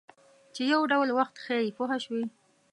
چې یو ډول وخت ښیي پوه شوې!.